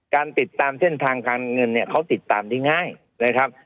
การติดตามเส้นทางการเงินเขาติดตามที่ง่ายเลยครับ